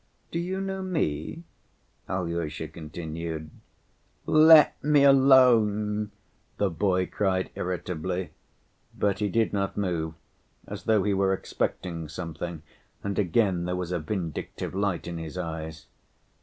Do you know me?" Alyosha continued. "Let me alone!" the boy cried irritably; but he did not move, as though he were expecting something, and again there was a vindictive light in his eyes.